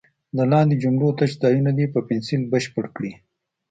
د لاندې جملو تش ځایونه دې په پنسل بشپړ کړي.